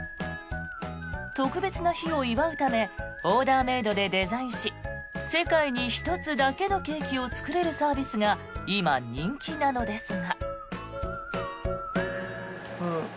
特別な日を祝うためオーダーメイドでデザインし世界で１つだけのケーキを作れるサービスが今、人気なのですが。